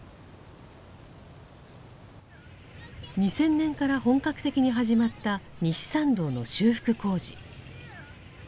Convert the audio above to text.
２０００年から本格的に始まった西参道の修復工事。